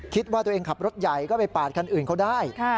คิดว่าตัวเองขับรถใหญ่ก็ไปปาดคันอื่นเขาได้